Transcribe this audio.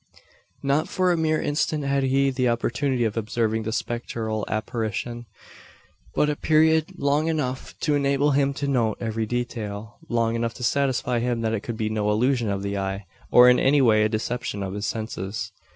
Not for a mere instant had he the opportunity of observing the spectral apparition; but a period long enough to enable him to note every detail long enough to satisfy him that it could be no illusion of the eye, or in any way a deception of his senses.